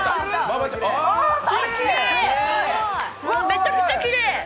めちゃくちゃきれい！